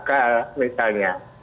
atau pemerintah gagal misalnya